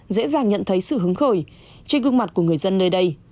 dễ dàng nhận thấy sự hứng khởi trên gương mặt của người dân nơi đây